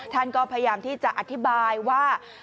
ท่านก็พยายามที่จะอธิบายว่า